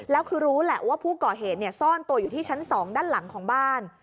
แล้วคือรู้แหละว่าผู้ก่อเหตุซ่อนตัวอยู่ที่ชั้น๒ด้านหลังของบ้าน